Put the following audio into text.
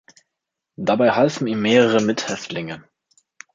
Dabei halfen ihm mehrere Mithäftlinge.